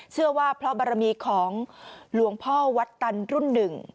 เชื่อว่าเพราะบารมีของหลวงพ่อวัดตันรุ่นหนึ่ง